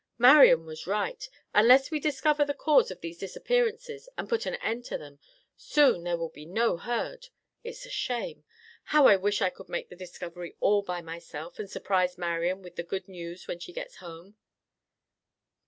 "Marian was right; unless we discover the cause of these disappearances and put an end to them, soon there will be no herd. It's a shame! How I wish I could make the discovery all by myself and surprise Marian with the good news when she gets home."